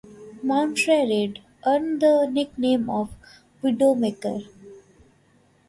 Moutray Read earned the nickname of "Widowmaker".